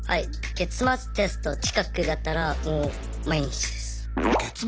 月末テスト近くだったらもう毎日です。